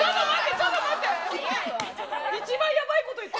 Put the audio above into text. ちょっと待って。